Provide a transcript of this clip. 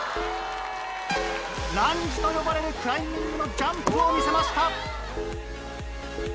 ランジと呼ばれるクライミングのジャンプを見せました。